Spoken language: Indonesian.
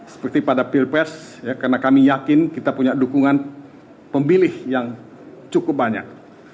seperti pada pilpres karena kami yakin kita punya dukungan pemilih yang cukup banyak